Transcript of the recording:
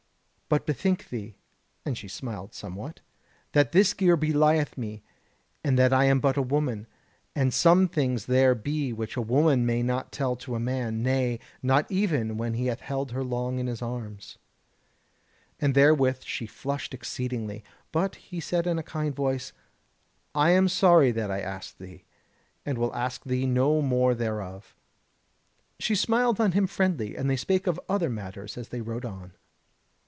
But bethink thee" (and she smiled somewhat) "that this gear belieth me, and that I am but a woman; and some things there be which a woman may not tell to a man, nay, not even when he hath held her long in his arms." And therewith she flushed exceedingly. But he said in a kind voice: "I am sorry that I asked thee, and will ask thee no more thereof." She smiled on him friendly, and they spake of other matters as they rode on.